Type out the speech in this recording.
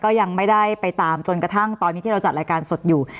ก็ยังไม่ได้ไปตามจนกระทั่งตอนนี้ที่เราจัดรายการสดอยู่